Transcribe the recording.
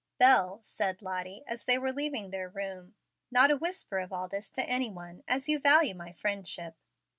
"Bel," said Lottie, as they were leaving their room, "not a whisper of all this to any one, as you value my friendship."